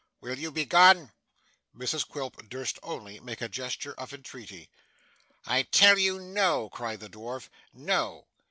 Will you begone?' Mrs Quilp durst only make a gesture of entreaty. 'I tell you no,' cried the dwarf. 'No.